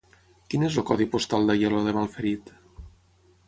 Quin és el codi postal d'Aielo de Malferit?